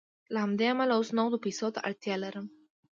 له همدې امله اوس نغدو پیسو ته اړتیا لرم